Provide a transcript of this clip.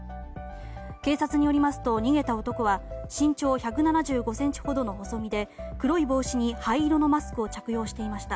警察によりますと逃げた男は身長１７５ｃｍほどの細身で黒い帽子に灰色のマスクを着用していました。